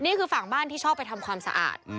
นี่คือฝั่งบ้านที่ชอบไปทำความสะอาด